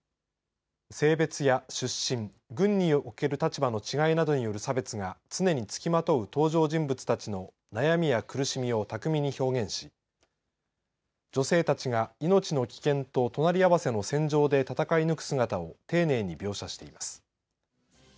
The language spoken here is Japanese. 性別や出身、軍における立場の違いなどによる差別が常につきまとう登場人物たちの悩みや苦しみを巧みに表現し女性たちが命の危険と隣り合わせの戦場で戦い抜く姿を丁寧に描写しています。